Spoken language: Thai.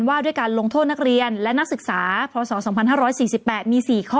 ทำโทษนักเรียนและนักศึกษาพศ๒๕๔๘มี๔ข้อ